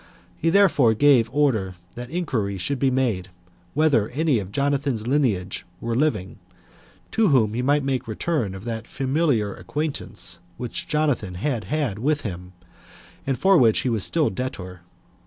He therefore gave order that inquiry should be made, whether any of Jonathan's lineage were living, to whom he might make return of that familiar acquaintance which Jonathan had had with him, and for which he was still debtor.